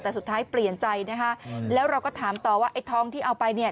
แต่สุดท้ายเปลี่ยนใจนะคะแล้วเราก็ถามต่อว่าไอ้ทองที่เอาไปเนี่ย